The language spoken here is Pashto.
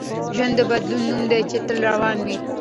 ژوند د بدلون نوم دی چي تل روان وي.